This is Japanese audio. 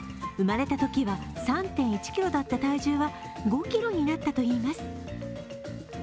生まれたときは３．１ｋｇだった体重は５ｋｇになったといいます。